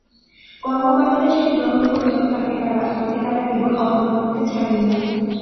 কর্মকর্তারা সেটি গ্রহণ করলেও তাঁকে তাঁরা কেবল অপমান করতে ছাড়েন না।